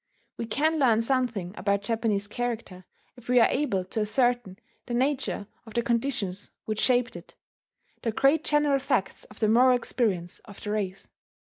We can learn something about Japanese character if we are able to ascertain the nature of the conditions which shaped it, the great general facts of the moral experience of the race.